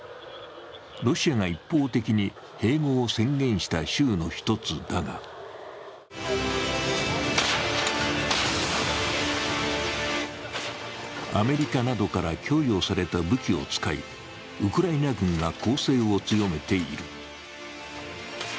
ロシアが一方的に併合を宣言した州の１つだがアメリカなどから供与された武器を使いウクライナ軍が攻勢を強めている。